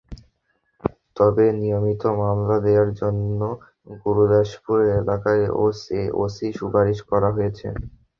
তবে নিয়মিত মামলা নেওয়ার জন্য গুরুদাসপুর থানার ওসি সুপারিশ করা হয়েছে।